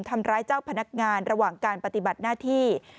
ทำร้ายเจ้าพนักงานระหว่างการปฏิบัติหน้าที่